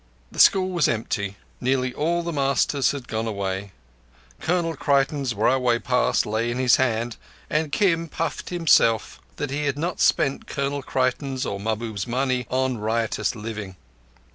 The school was empty; nearly all the masters had gone away; Colonel Creighton's railway pass lay in his hand, and Kim puffed himself that he had not spent Colonel Creighton's or Mahbub's money in riotous living.